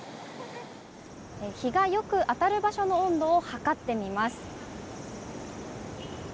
日がよく当たる場所の温度を測ってみます。